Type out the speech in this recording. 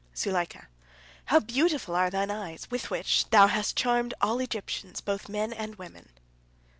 Zuleika: "How beautiful are thine eyes, with which thou hast charmed all Egyptians, both men and women!"